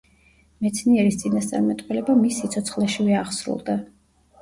მეცნიერის წინასწარმეტყველება მის სიცოცხლეშივე აღსრულდა.